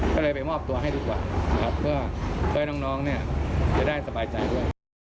ก็เลยไปมอบตัวให้ดีกว่านะครับเพื่อให้น้องเนี่ยจะได้สบายใจด้วย